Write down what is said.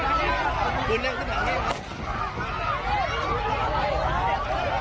ตอนนี้ก็ไม่มีอัศวินทรีย์ที่สุดขึ้นแต่ก็ไม่มีอัศวินทรีย์ที่สุดขึ้น